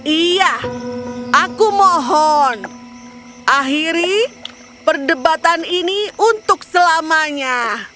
iya aku mohon akhiri perdebatan ini untuk selamanya